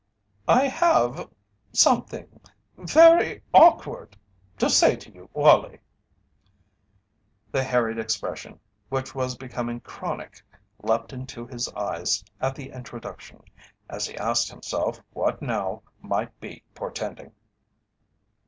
"I have something very awkward to say to you, Wallie." The harried expression which was becoming chronic leaped into his eyes at the introduction, as he asked himself what now might be portending.